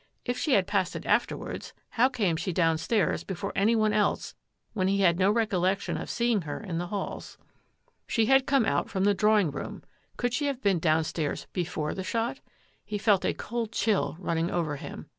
If she had passed it afterwards, how came she down stairs before any one else when he had no recol lection of seeing her in the halls? She had come SURMISES AND SUSPICIONS 61 out from the drawing room. Could she have been downstairs before the shot? He felt a cold chill running over him.